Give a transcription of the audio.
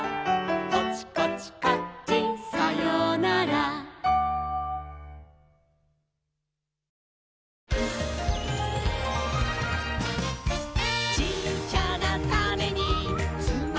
「コチコチカッチンさようなら」「ちっちゃなタネにつまってるんだ」